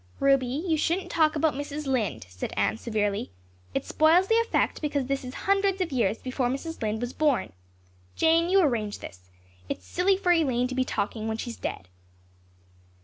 "Ruby, you shouldn't talk about Mrs. Lynde," said Anne severely. "It spoils the effect because this is hundreds of years before Mrs. Lynde was born. Jane, you arrange this. It's silly for Elaine to be talking when she's dead."